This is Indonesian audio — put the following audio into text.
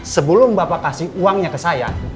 sebelum bapak kasih uangnya ke saya